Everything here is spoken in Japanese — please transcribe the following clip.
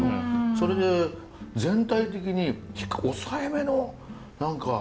それで全体的に抑えめの赤ですよね。